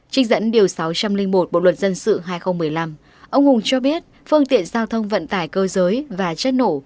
trích dẫn điều sáu trăm linh một bộ luật dân sự hai nghìn một mươi năm ông hùng cho biết phương tiện giao thông vận tải cơ giới và chất nổ